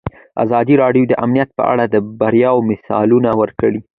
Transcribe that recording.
ازادي راډیو د امنیت په اړه د بریاوو مثالونه ورکړي.